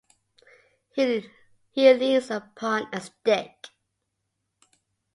He leans upon a stick.